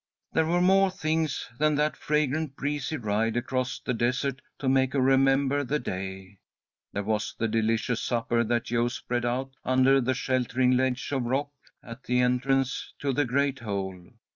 There were more things than that fragrant, breezy ride across the desert to make her remember the day. There was the delicious supper that Jo spread out under the sheltering ledge of rock at the entrance to the great hole.